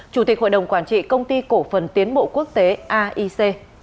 chủ tịch hội đồng quản trị công ty cổ phần tiến bộ quốc tế aic